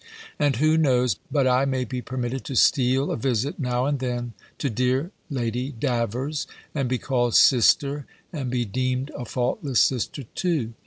And who knows, but I may be permitted to steal a visit now and then to dear Lady Davers, and be called Sister, and be deemed a faultless sister too?"